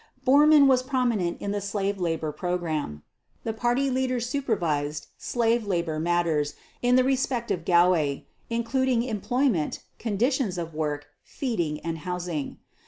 Bormann was prominent in the slave labor program. The Party leaders supervised slave labor matters in the respective Gaue, including employment, conditions of work, feeding, and housing.